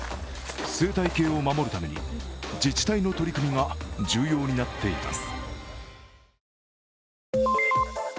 生態系を守るために自治体の取り組みが重要になっています。